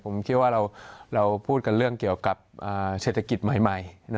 ผมคิดว่าเราพูดกันเรื่องเกี่ยวกับเศรษฐกิจใหม่